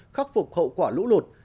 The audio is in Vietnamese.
khắc phục hậu quả lũ lụt